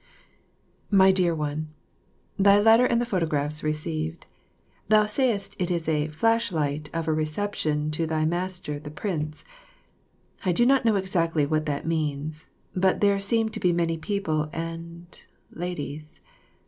11 My Dear One, Thy letter and the photographs received. Thou sayest it is a "flashlight" of a reception to thy Master, the Prince. I do not know exactly what that means, but there seem to be many people and ladies.